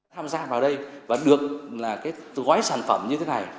tham gia vào đây và được gói sản phẩm như thế này